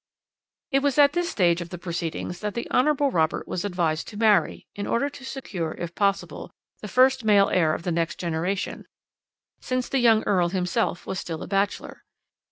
"It was at this stage of the proceedings that the Hon. Robert was advised to marry, in order to secure, if possible, the first male heir of the next generation, since the young earl himself was still a bachelor.